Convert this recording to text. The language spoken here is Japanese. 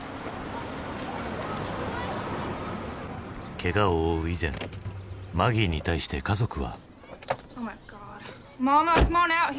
けがを負う以前マギーに対して家族は。